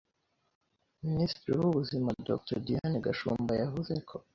Minisitiri w’Ubuziama, Dr. Diane Gashumba, yavuze ko